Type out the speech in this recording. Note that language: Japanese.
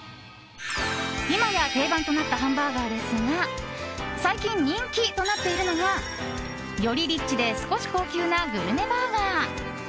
今や定番となったハンバーガーですが最近、人気となっているのがよりリッチで少し高級なグルメバーガー。